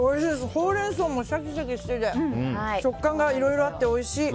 ホウレンソウもシャキシャキしてて食感がいろいろあっておいしい。